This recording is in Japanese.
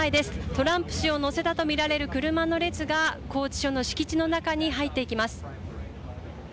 トランプ氏を乗せたと見られる車の列が拘置所の敷地の中に入っていきます。